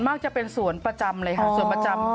มากจะเป็นสวนประจำเลยค่ะสวนประจำ